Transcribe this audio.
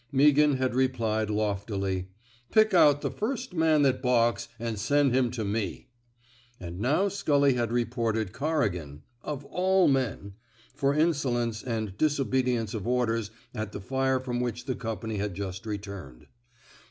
Meaghan had replied, loftily: ^* Pick out the first man that balks, an' send him to me." And now Scully had reported Corrigan — of all men! — for insolence and disobedience of orders at the fire from which the company had just returned.